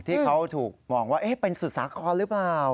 ที่เขาถูกมองว่าเป็นสุดสาครหรือเปล่า